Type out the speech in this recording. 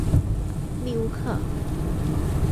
利乌克。